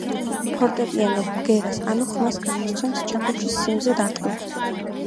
ფორტეპიანო, ბგერას ანუ ხმას გამოსცემს ჩაქუჩის სიმზე დარტყმით.